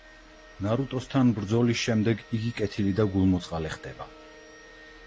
ნარუტოსთან ბრძოლის შემდეგ იგი კეთილი და გულმოწყალე ხდება.